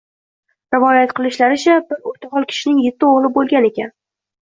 Rivoyat qilishlaricha, bir o'rtahol kishining yetti o'g'li bo'lgan ekan